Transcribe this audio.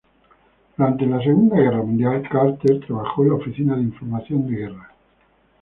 Durante la Segunda Guerra Mundial, Carter trabajó en la Oficina de Información de Guerra.